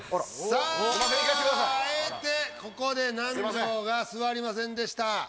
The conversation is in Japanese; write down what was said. さああえてここで南條が座りませんでした。